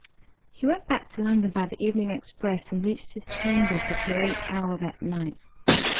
He went back to London by the evening express, and reached his chambers at a late hour that night.